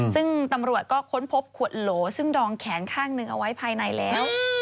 ซึ่งตำรวจก็ค้นพบขวดโหลซึ่งดองแขนข้างหนึ่งเอาไว้ภายในแล้ว